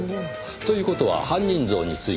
という事は犯人像についても？